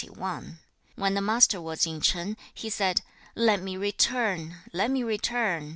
When the Master was in Ch'an, he said, 'Let me return! Let me return!